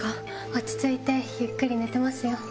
落ち着いてゆっくり寝てますよ。